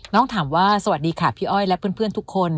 น้องถามว่าสวัสดีค่ะพี่อ้อยและเพื่อนทุกคน